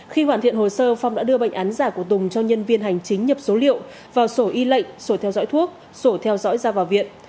khi hoàn thiện hồ sơ phong đã đưa bệnh án giả của tùng cho nhân viên hành chính nhập số liệu vào sổ y lệnh sổ theo dõi thuốc sổ theo dõi ra vào viện